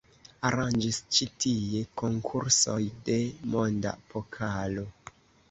Aranĝis ĉi tie konkursoj de monda pokalo.